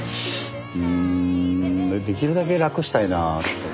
うんできるだけ楽したいなと。